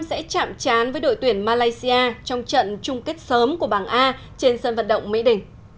sẽ chạm chán với đội tuyển malaysia trong trận chung kết sớm của bảng a trên sân vận động mỹ đình